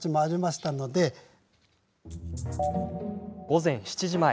午前７時前。